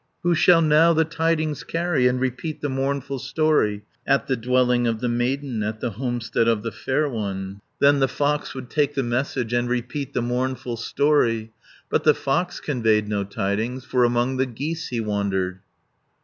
Who shall now the tidings carry, And repeat the mournful story, 390 At the dwelling of the maiden, At the homestead of the fair one? Then the fox would take the message, And repeat the mournful story; But the fox conveyed no tidings, For among the geese he wandered.